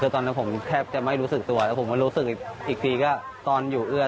ตอนนั้นผมแทบจะไม่รู้สึกตัวแล้วผมก็รู้สึกอีกทีก็ตอนอยู่เอื้อ